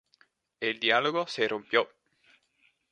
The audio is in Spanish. El diálogo se rompió.